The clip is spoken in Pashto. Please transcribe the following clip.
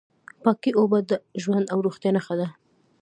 پاکې اوبه د ژوند او روغتیا نښه ده.